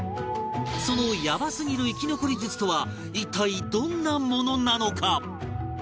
そのやばすぎる生き残り術とは一体どんなものなのか？